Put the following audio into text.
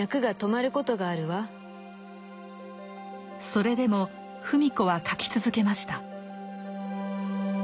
それでも芙美子は書き続けました。